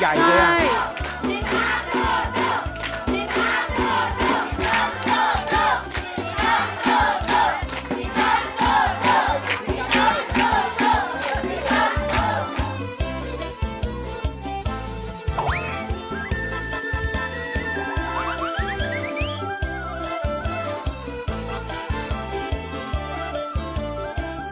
สุดยอดสุดยอดสุดยอดโห